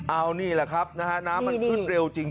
เอานี่แหละครับนะฮะน้ำมันขึ้นเร็วจริง